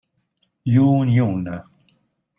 Yoon Hyun